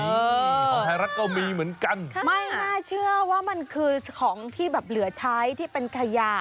นี่ของไทยรัฐก็มีเหมือนกันค่ะไม่น่าเชื่อว่ามันคือของที่แบบเหลือใช้ที่เป็นขยะ